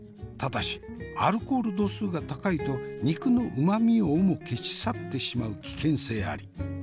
ただしアルコール度数が高いと肉のうまみをも消し去ってしまう危険性あり。